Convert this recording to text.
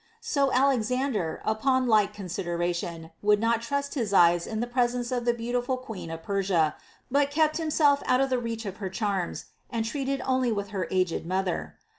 So Alexander, upon like consideration, would not trust his eyes in the presence of the beautiful queen of Persia, but kept himself out of the reach of her charms, and treated only with her aged mother.